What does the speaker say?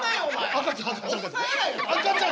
赤ちゃん。